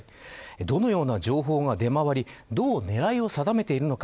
どのような情報が出回りどう狙いを定めているのか